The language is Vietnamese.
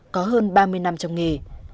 có hơn ba mươi năm trong nghề